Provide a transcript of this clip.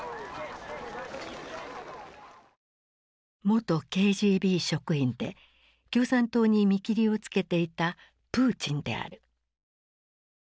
元ＫＧＢ職員で共産党に見切りをつけていたプーチンである。